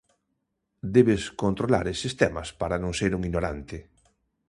Debes controlar estes temas para non ser un ignorante.